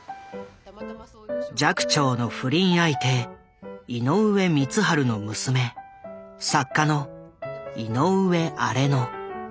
寂聴の不倫相手井上光晴の娘作家の井上荒野。